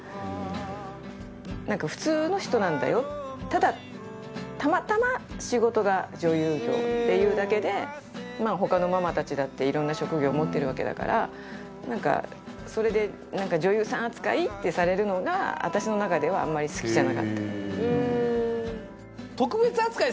ただたまたま仕事が女優業っていうだけでまあ他のママたちだっていろんな職業持ってるわけだからなんかそれで女優さん扱いってされるのが私の中ではあんまり好きじゃなかった。